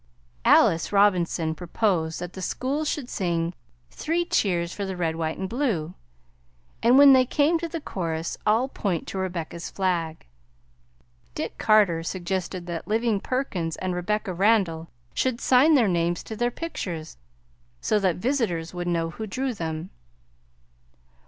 Alice Robinson proposed that the school should sing Three Cheers for the Red, White, and Blue! and when they came to the chorus, all point to Rebecca's flag. Dick Carter suggested that Living Perkins and Rebecca Randall should sign their names to their pictures, so that the visitors would know who drew them.